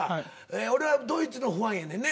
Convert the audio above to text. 俺はドイツのファンやねんね。